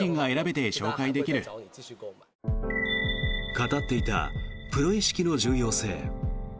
語っていたプロ意識の重要性。